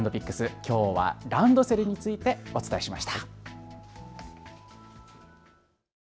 きょうはランドセルについてお伝えしました。